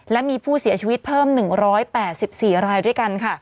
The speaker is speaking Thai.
และมีผู้เสียชีวิตเพิ่ม๑๘๔รายด้วยกันค่ะ